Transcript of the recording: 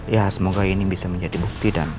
ya semoga ini bisa menjadi bukti